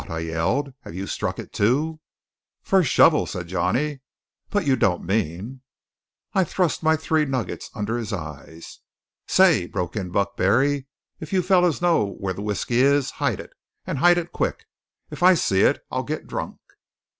I yelled. "Have you struck it, too?" "First shovel," said Johnny. "But you don't mean " I thrust my three nuggets under his eyes. "Say," broke in Buck Barry, "if you fellows know where the whiskey is, hide it, and hide it quick. If I see it, I'll get drunk!"